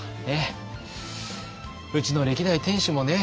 うちの歴代店主もね